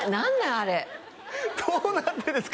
あれどうなってんですか？